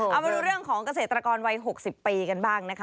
เอามาดูเรื่องของเกษตรกรวัย๖๐ปีกันบ้างนะคะ